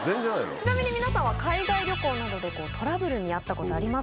ちなみに皆さんは海外旅行などでトラブルに遭ったことありますか？